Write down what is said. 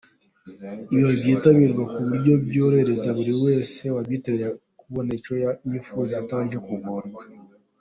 Ibirori bitegurwa ku buryo byorohereza buri wese wabyitabiriye kubona icyo yifuza atabanje kugorwa.